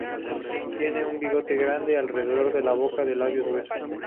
Tiene un bigote grande alrededor de la boca de labios gruesos.